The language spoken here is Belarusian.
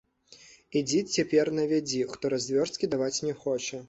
Ідзі цяпер навядзі, хто развёрсткі даваць не хоча.